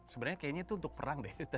sebenarnya kayaknya itu untuk perang deh